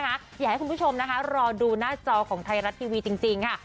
อยากให้คุณผู้ชมนะคะรอดูหน้าจอของไทยรัฐทีวีจริงค่ะ